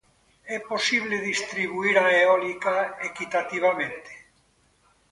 É posíbel distribuír a eólica equitativamente?